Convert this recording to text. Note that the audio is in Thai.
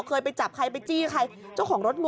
เกิดไปจับใครไปชี้ใคร